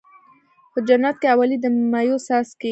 خو جنت کې اولي د مَيو څاڅکی